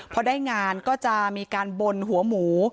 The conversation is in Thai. พอได้งานก็จะมีการบนหัวหมู